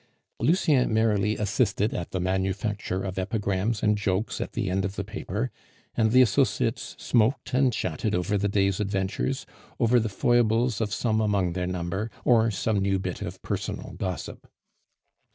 Lucien merrily assisted at the manufacture of epigrams and jokes at the end of the paper; and the associates smoked and chatted over the day's adventures, over the foibles of some among their number, or some new bit of personal gossip.